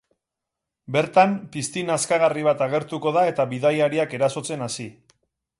Bertan, pizti nazkagarri bat agertuko da eta bidaiariak erasotzen hasi.